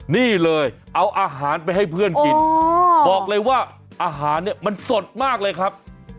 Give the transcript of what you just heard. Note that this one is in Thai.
นี่เลยเอาอาหารไปให้เพื่อนกินบอกเลยว่าอาหารเนี่ยมันสดมากเลยครับ